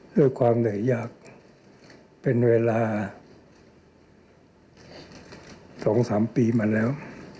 ด้วยความเหนื่อยยากเป็นเวลา๒๓ปีมาแล้ว